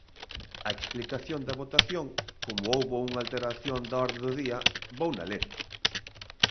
A explicación da votación, como houbo unha alteración da orde do día, vouna ler.